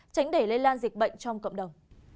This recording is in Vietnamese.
tránh để lây lan dịch bệnh trong cộng đồng